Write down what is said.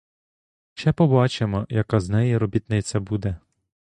Ще побачимо, яка з неї робітниця буде.